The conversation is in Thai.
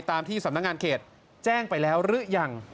ตามที่สำนักงานเขตแจ้งไปแล้วหรือยัง